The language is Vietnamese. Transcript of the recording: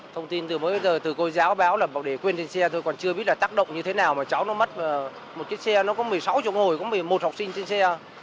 thông tin từ mới bây giờ từ cô giáo báo là để quên trên xe thôi còn chưa biết là tác động như thế nào mà cháu nó mất một chiếc xe nó có một mươi sáu ngồi cũng một mươi một học sinh trên xe